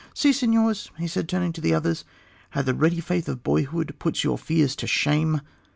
See, señors," he said, turning to the others, "how the ready faith of boyhood puts your fears to shame.